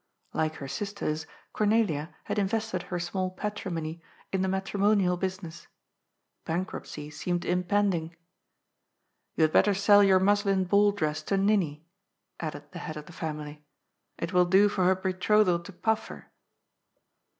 Like her sisters, Cornelia had invested her small patrimony in the matrimonial business. Bankruptcy seemed impending. "You had better sell your muslin ball dress to Ninnie," added the head of the family. " It will do for her betrothal to Paffer."